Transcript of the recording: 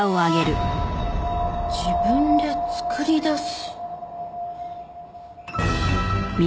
自分で作り出す。